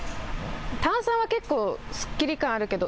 炭酸が結構すっきり感あるけど